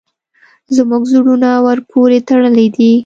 زموږ زړونه ورپورې تړلي دي.